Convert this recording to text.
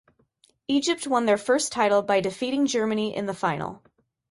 Egypt won their first title by defeating Germany in the final.